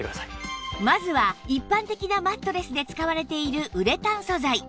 まずは一般的なマットレスで使われているウレタン素材